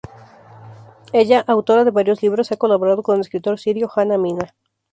Ella, autora de varios libros, ha colaborado con el escritor sirio Hanna Mina.